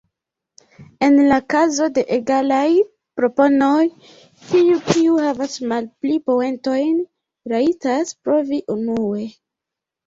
En la kazo de egalaj proponoj, tiu kiu havas malpli poentojn rajtas provi unue.